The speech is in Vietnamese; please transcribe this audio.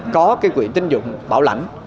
có cái quyền tín dụng bảo lãnh